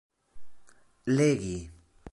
legi